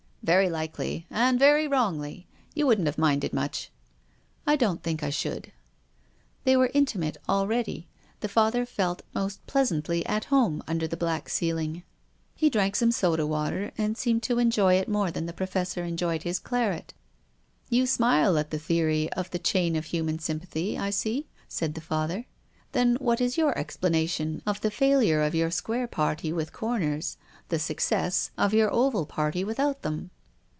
" Very likely, and very wrongly. You wouldn't have minded much." " I don't think I should." They were intimate already. Tlic Father felt most pleasantly at home under the black ceiling. 274 TONGUES OF CONSCIENCE. He drank some soda water and seemed to enjoy it more than the Professor enjoyed his claret. " You smile at the theory of the chain of human sympathy, I see," said the Father. " Then what is your explanation of the failure of your square party with corners, the success of your oval party without them